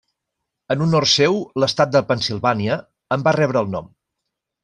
En honor seu, l'estat de Pennsilvània en va rebre el nom.